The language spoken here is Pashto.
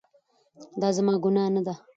دا زما ګناه نه ده